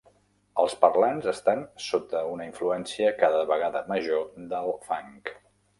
Els parlants estan sota una influència cada vegada major del Fang.